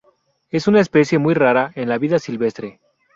Es una especie muy rara en la vida silvestre.